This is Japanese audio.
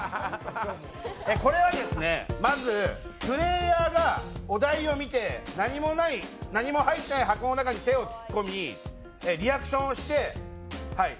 これは、プレーヤーがお題を見て何も入っていない箱の中に手を突っ込み、リアクションをする。